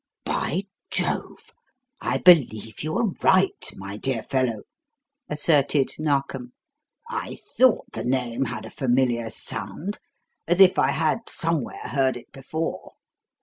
"By Jove! I believe you are right, my dear fellow," asserted Narkom. "I thought the name had a familiar sound as if I had, somewhere, heard it before.